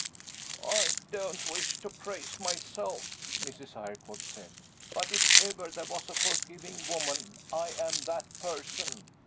"I don't wish to praise myself," Mrs. Eyrecourt said; "but if ever there was a forgiving woman, I am that person.